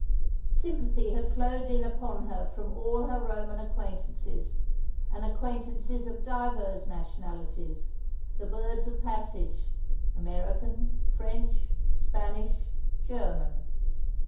Sympathy had flowed in upon her from all her Roman acquaintances, and acquaintances of divers nationalities, the birds of passage, American, French, Spanish, German.